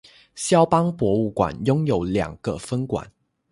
萧邦博物馆拥有两个分馆。